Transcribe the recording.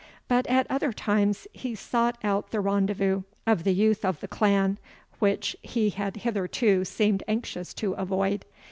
But at other times, he sought out the rendezvous of the youth of the clan, which he had hitherto seemed anxious to avoid.